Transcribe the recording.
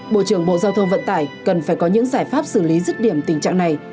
bộ trưởng bộ giao thông vận tải cần phải có những giải pháp xử lý rứt điểm tình trạng này